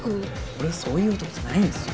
俺はそういう男じゃないんすよ！